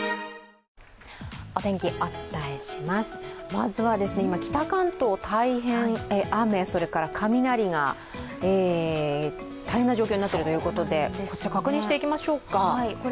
まずは今、北関東、雨、雷が大変な状況になっているということでこちら、確認していきましょうか。